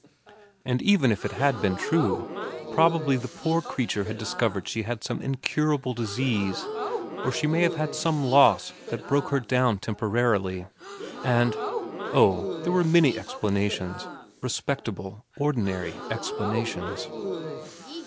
And even if it had been true, probably the poor creature had discovered she had some incurable disease, or she may have had some loss that broke her down temporarily, and oh, there were many explana tions ; respectable, ordinary explanations.